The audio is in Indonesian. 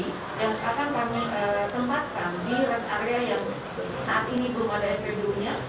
ini yang akan kami tempatkan di rest area yang saat ini belum ada spbu nya